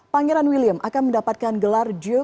pangeran william akan mendapatkan gelar juve